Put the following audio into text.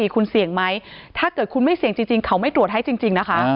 คุณเสี่ยงไหมถ้าเกิดคุณไม่เสี่ยงจริงเขาไม่ตรวจให้จริงนะคะ